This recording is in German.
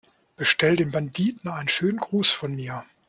Bestell den Banditen einen schönen Gruß von mir!